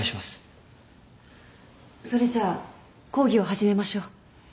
それじゃあ講義を始めましょう。